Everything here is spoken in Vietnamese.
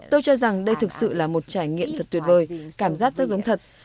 tôi cho rằng đây thực sự là một trải nghiệm thật tuyệt vời cảm giác rất giống thật